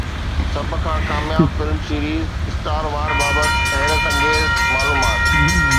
سڀ کان ڪامياب فلم سيريز، اسٽار وار بابت حيرت انگيز معلومات